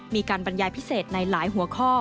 มีการบรรยายพิเศษในหลายหัวข้อ